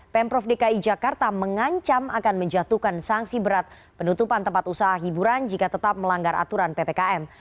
pemprov dki jakarta mengancam akan menjatuhkan sanksi berat penutupan tempat usaha hiburan jika tetap melanggar aturan ppkm